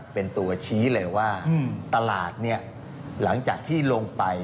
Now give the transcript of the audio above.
เป็นตัวชี้เลยว่าตลาดเนี่ยหลังจากที่ลงไป